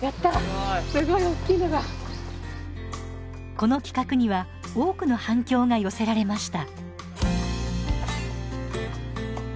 この企画には多くの反響が寄せられました。